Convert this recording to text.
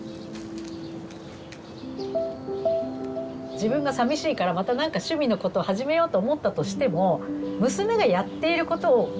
自分がさみしいからまたなんか趣味のこと始めようと思ったとしても娘がやっていることをやらないと思うんですよきっと。